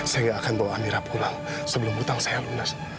saya gak akan bawa amirah pulang sebelum hutang saya lunas